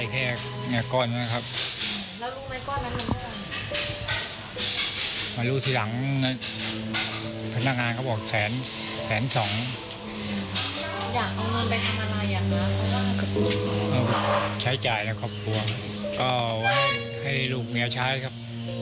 ให้ลูกมีเอาช้าได้ครับ